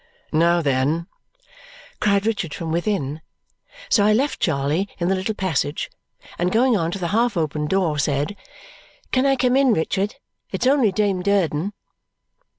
"Now then!" cried Richard from within. So I left Charley in the little passage, and going on to the half open door, said, "Can I come in, Richard? It's only Dame Durden."